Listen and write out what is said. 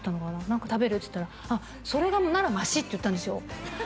何か食べる？って言ったら「あっそれならマシ」って言ったんですよ